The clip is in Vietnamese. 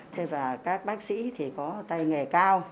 thế và các bác sĩ thì có tay nghề cao